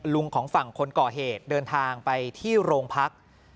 ของฝั่งคนก่อเหตุเดินทางไปที่โรงพัก